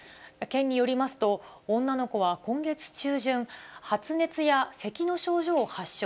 県によりますと、女の子は今月中旬、発熱やせきの症状を発症。